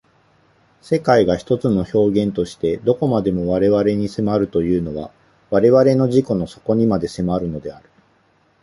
世界が一つの表現として何処までも我々に迫るというのは我々の自己の底にまで迫るのである。